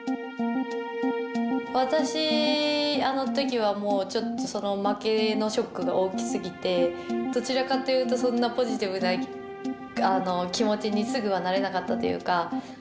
私あの時はもうちょっとその負けのショックが大きすぎてどちらかというとそんなポジティブな気持ちにすぐはなれなかったというか。